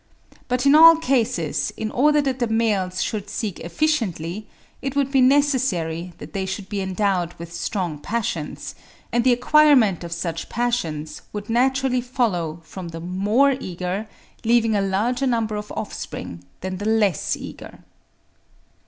But in all cases, in order that the males should seek efficiently, it would be necessary that they should be endowed with strong passions; and the acquirement of such passions would naturally follow from the more eager leaving a larger number of offspring than the less eager.